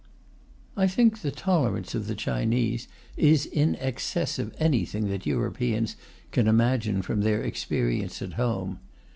I think the tolerance of the Chinese is in excess of anything that Europeans can imagine from their experience at home.